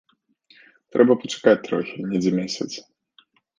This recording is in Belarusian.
Трэба пачакаць трохі, недзе месяц.